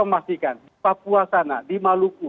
memastikan papua sana di maluku